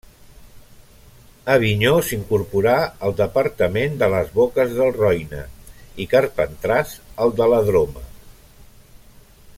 Avinyó s'incorporà al departament de les Boques del Roine i Carpentràs al de la Droma.